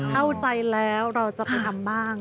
เข้าใจแล้วเราจะไปทำบ้าง